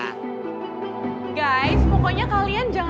kalau boy itu udah gak ada menang sama dia